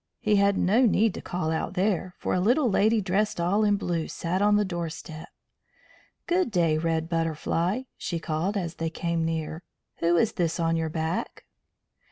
He had no need to call out there, for a little lady dressed all in blue sat on the doorstep. "Good day, Red Butterfly," she called as they came near. "Who is this on your back?"